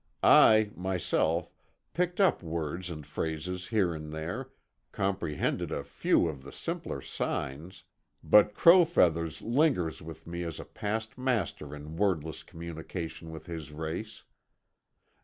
I, myself, picked up words and phrases here and there, comprehended a few of the simpler signs, but Crow Feathers lingers with me as a past master in wordless communication with his race.